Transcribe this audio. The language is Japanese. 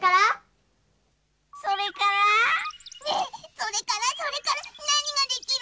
ねっそれからそれからなにができるじゃ？